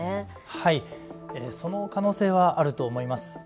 はい、その可能性はあると思います。